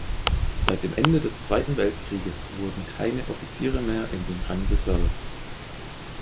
Seit dem Ende des Zweiten Weltkrieges wurden keine Offiziere mehr in den Rang befördert.